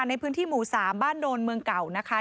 ในพื้นที่หมู่๓บ้านโดนเมืองเก่านะคะ